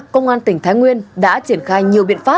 công an tỉnh thái nguyên